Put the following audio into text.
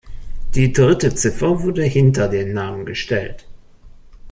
Die dritte Ziffer wurde hinter den Namen gestellt.